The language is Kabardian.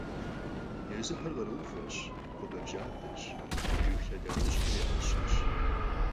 Езыхэр къарууфӀэщ, къуабэбжьабэщ, жыг лъэдакъэжьхэр я Ӏэщэщ.